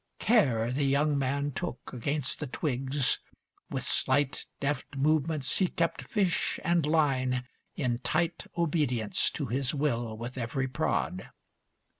Care The young man took against the twigs, with slight, Deft movements he kept fish and line in tight Obedience to his will with every prod.